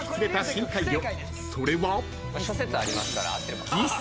［それは］